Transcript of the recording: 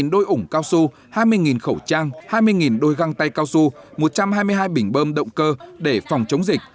một mươi đôi ủng cao su hai mươi khẩu trang hai mươi đôi găng tay cao su một trăm hai mươi hai bình bơm động cơ để phòng chống dịch